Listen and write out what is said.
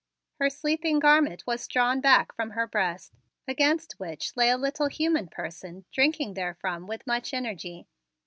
Her sleeping garment was drawn back from her breast, against which lay a little human person drinking therefrom with much energy.